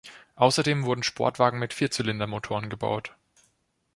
Außerdem wurden Sportwagen mit Vierzylindermotoren gebaut.